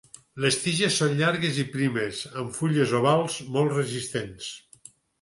Les tiges són llargues i primes amb fulles ovals molt resistents.